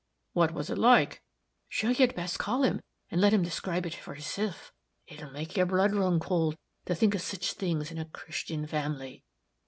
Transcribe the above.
"What was it like?" "Sure, you'd best call him, and let him describe it for hisself it'll make your blood run cold to think of sich things in a Christian family."